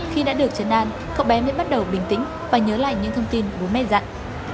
khi đã được chấn an cậu bé mới bắt đầu bình tĩnh và nhớ lại những thông tin bố mẹ dặn